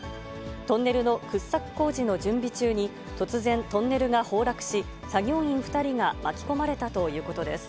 トンネルの掘削工事の準備中に、突然、トンネルが崩落し、作業員２人が巻き込まれたということです。